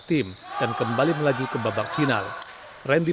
dengan kedatangan dua pemain baru ini